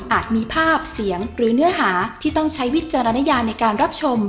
มีภาพเสียงหรือเนื้อหาที่ต้องใช้วิจารณญาในการรับชม